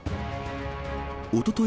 おととい